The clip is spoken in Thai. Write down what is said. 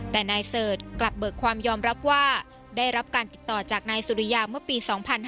แต่นายเสิร์ชกลับเบิกความยอมรับว่าได้รับการติดต่อจากนายสุริยาเมื่อปี๒๕๕๙